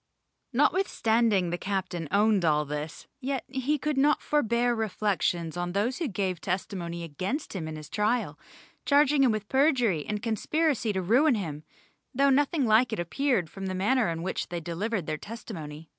Notwithstanding the captain owned all this, yet he could not forbear reflections on those who gave testimony against him at his trial, charging them with perjury and conspiracy to ruin him, though nothing like it appeared from the manner in which they delivered their testimony.